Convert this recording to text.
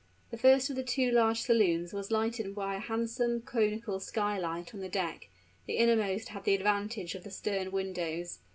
The first of the two large saloons was lighted by a handsome conical skylight on the deck: the innermost had the advantage of the stern windows.